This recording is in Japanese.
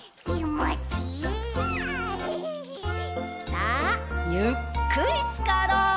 さあゆっくりつかろう！